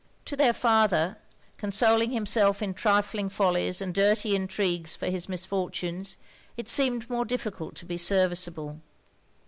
To their father, consoling himself in trifling follies and dirty intrigues for his misfortunes, it seemed more difficult to be serviceable.